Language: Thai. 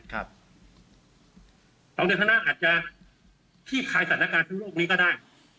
สองเดือนข้างหน้าอาจจะขี้คายสถานการณ์ทั้งโลกนี้ก็ได้